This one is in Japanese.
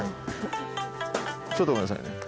ちょっとごめんなさいね。